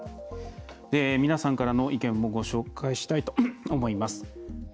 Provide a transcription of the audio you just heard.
皆さんからの意見もご紹介したいと思います。